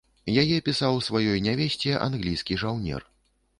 Яе пісаў сваёй нявесце англійскі жаўнер.